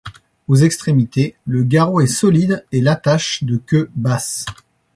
Aux extrémités, le garrot est solide et l'attache de queue basse.